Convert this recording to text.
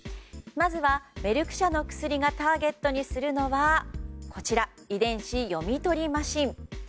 まずは、メルク社の薬がターゲットにするのが遺伝子読み取りマシン。